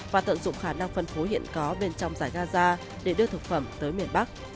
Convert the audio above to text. và tận dụng khả năng phân phối hiện có bên trong giải gaza để đưa thực phẩm tới miền bắc